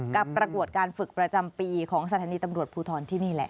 ประกวดการฝึกประจำปีของสถานีตำรวจภูทรที่นี่แหละ